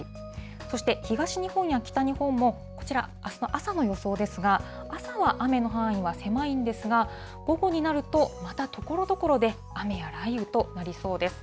そして東日本や北日本も、こちら、あすの朝の予想ですが、朝は雨の範囲は狭いんですが、午後になると、またところどころで雨や雷雨となりそうです。